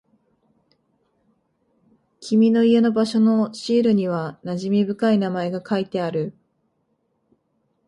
君の家の場所のシールには馴染み深い名前が書いてある。